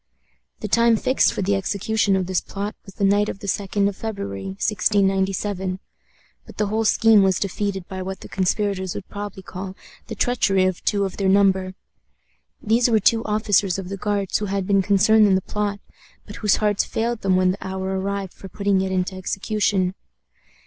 The time fixed for the execution of this plot was the night of the 2d of February, 1697; but the whole scheme was defeated by what the conspirators would probably call the treachery of two of their number. These were two officers of the Guards who had been concerned in the plot, but whose hearts failed them when the hour arrived for putting it into execution.